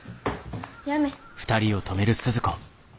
やめ。